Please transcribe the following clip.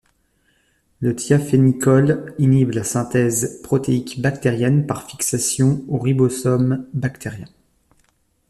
Le thiamphénicol inhibe la synthèse protéique bactérienne par fixation au ribosome bactérien.